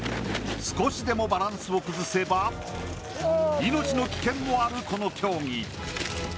少しでもバランスを崩せば命の危険もある、この競技。